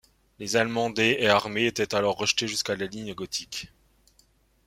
Les Allemands des et armées étant alors rejetés jusqu'à la ligne Gothique.